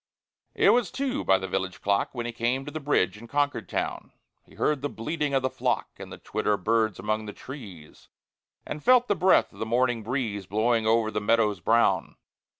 It was two by the village clock, When he came to the bridge in Concord town. He heard the bleating of the flock, And the twitter of birds among the trees, And felt the breath of the morning breeze Blowing over the meadows brown.